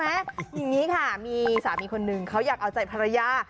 อย่างนี้ค่ะมีสามีคนหนึ่งเขาอยากเอาใจภรรยา